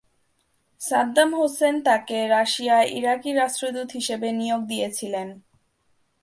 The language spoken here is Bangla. সাদ্দাম হোসেন তাকে রাশিয়ায় ইরাকি রাষ্ট্রদূত হিসেবে নিয়োগ দিয়েছিলেন।